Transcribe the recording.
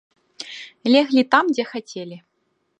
Леглі там, дзе хацелі.